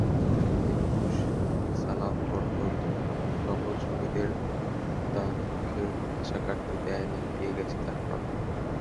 একুশ তুমিসালাম বরকত সকল শহীদের দানমুখের ভাষা কাড়তে দেয়নি দিয়ে গেছে তাঁরা প্রাণ।